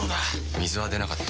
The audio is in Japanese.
水は出なかった。